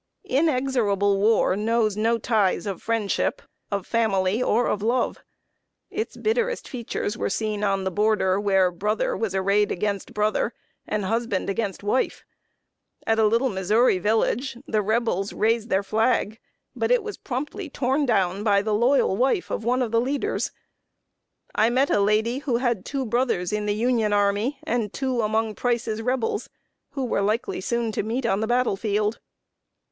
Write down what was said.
Inexorable war knows no ties of friendship, of family, or of love. Its bitterest features were seen on the border, where brother was arrayed against brother, and husband against wife. At a little Missouri village, the Rebels raised their flag, but it was promptly torn down by the loyal wife of one of the leaders. I met a lady who had two brothers in the Union army, and two among Price's Rebels, who were likely soon to meet on the battle field.